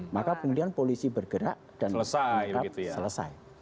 maka kemudian polisi bergerak dan menangkap selesai